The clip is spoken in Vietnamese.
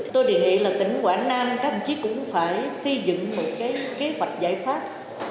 tôi đề nghị là tỉnh quảng nam các vị chí cũng phải xây dựng một kế hoạch giải pháp